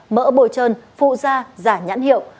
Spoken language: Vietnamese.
mỡ bồi trơn phụ da giả nhãn hiệu